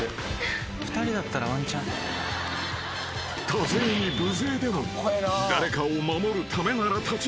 ［多勢に無勢でも誰かを守るためなら立ち向かう］